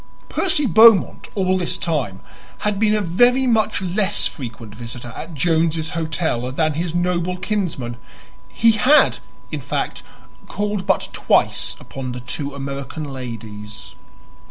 Percy Beaumont all this time had been a very much less frequent visitor at Jones's Hotel than his noble kinsman; he had, in fact, called but twice upon the two American ladies.